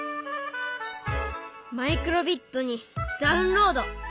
マイクロビットにダウンロード！